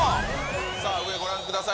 さあ、上ご覧ください。